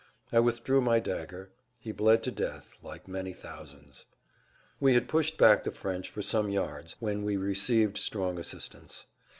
I withdrew my dagger; he bled to death like many thousands. We had pushed back the French for some yards when we received strong assistance.